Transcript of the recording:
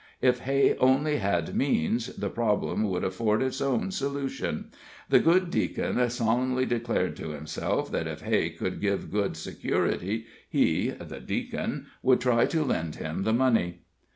If Hay only had means, the problem would afford its own solution. The good Deacon solemnly declared to himself that if Hay could give good security, he (the Deacon) would try to lend him the money.